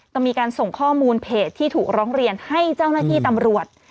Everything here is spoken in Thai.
ก็มีการส่งข้อมูลเพจที่ถูกร้องเรียนให้เจ้าหน้าที่ตำรวจ